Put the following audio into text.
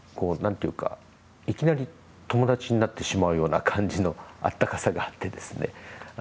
いきなり友達になってしまうような感じの温かさがあってですね。